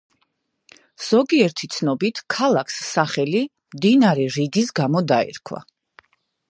ზოგიერთი ცნობით ქალაქს სახელი მდინარე რიგის გამო დაერქვა.